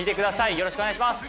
よろしくお願いします